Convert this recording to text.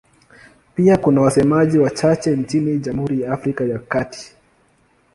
Pia kuna wasemaji wachache nchini Jamhuri ya Afrika ya Kati.